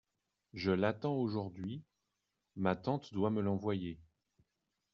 Je l’attends aujourd’hui… ma tante doit me l’envoyer.